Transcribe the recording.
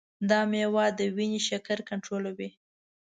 دا میوه د وینې شکر کنټرولوي.